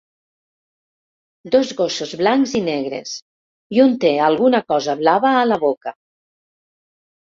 Dos gossos blancs i negres, i un té alguna cosa blava a la boca.